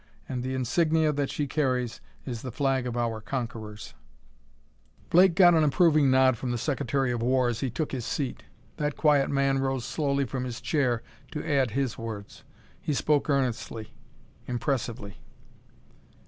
And the insignia that she carries is the flag of our conquerors." Blake got an approving nod from the Secretary of War as he took his seat. That quiet man rose slowly from his chair to add his words. He spoke earnestly, impressively.